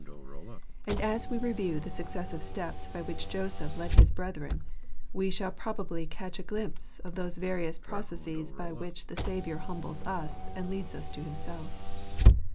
And as we review the successive steps by which Joseph led his brethren, we shall probably catch a glimpse of those various processes by which the Saviour humbles us and leads us to Himself.